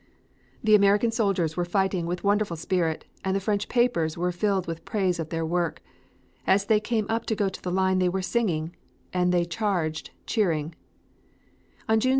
The American soldiers were fighting with wonderful spirit, and the French papers were filled with praise of their work. As they came up to go into the line they were singing, and they charged, cheering. [Illustration: Map: Paris is in Southwest corner.